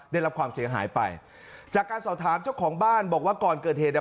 ได้รับความเสียหายไปจากการสอบถามเจ้าของบ้านบอกว่าก่อนเกิดเหตุเนี่ย